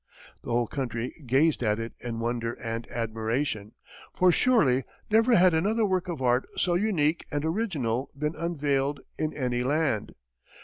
The whole country gazed at it in wonder and admiration, for surely never had another work of art so unique and original been unveiled in any land.